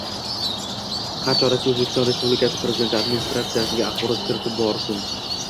Har chorakda O‘zbekiston Respublikasi Prezidenti Administratsiyasiga axborot kiritib borsin.